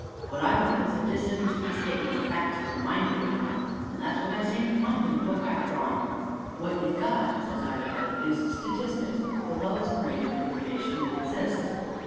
"What I want is a disinterested statement of facts for the mind to work on, and that's what I seem to find in the book I've drawn." "What you've got," says Idaho, "is statistics, the lowest grade of information that exists.